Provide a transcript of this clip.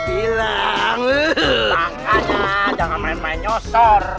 tangannya jangan main main nyosor